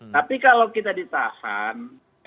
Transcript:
tapi kalau kita ditahan